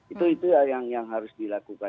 itu yang harus dilakukan